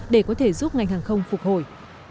để có thể giúp ngành hàng không phục hồi